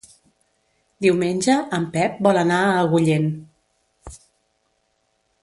Diumenge en Pep vol anar a Agullent.